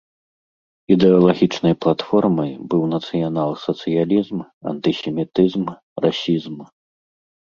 Ідэалагічнай платформай быў нацыянал-сацыялізм, антысемітызм, расізм.